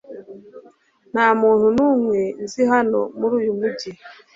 Nta muntu n'umwe nzi hano muri uyu mujyi